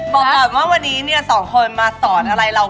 บอกก่อนว่าวันนี้เนี่ยสองคนมาสอนอะไรเรา